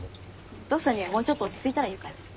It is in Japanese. お父さんにはもうちょっと落ち着いたら言うから。